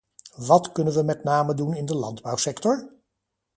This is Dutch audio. Wat kunnen we met name doen in de landbouwsector?